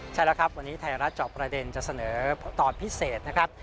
ใช่แล้วครับวันนี้ไทยรัฐจอบประเด็นจะเสนอตอนพิเศษนะครับ